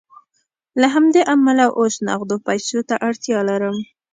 له همدې امله اوس نغدو پیسو ته اړتیا لرم